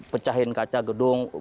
pecahin kaca gedung